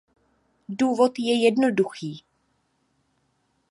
Důvod je jednoduchý.